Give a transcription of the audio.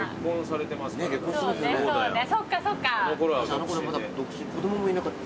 あのころまだ独身子供もいなかった。